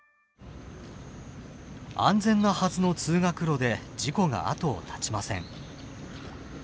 安全なはずの「通学路」で事故が後を絶ちません。